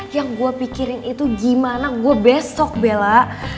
yang gue pikirin itu gimana gue besok bella